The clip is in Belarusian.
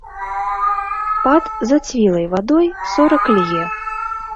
Пад зацвілай вадой сорак лье.